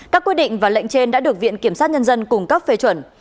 các quy định và lệnh trên đã được viện kiểm sát nhân dân cung cấp phê chuẩn